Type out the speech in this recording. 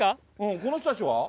この人たちは？